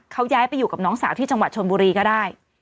เขาย้ายไปอยู่กับน้องสาวที่จังหวัดชนบุรีก็ได้